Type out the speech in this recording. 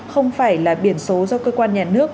không phải là biển số do cơ quan nhà nước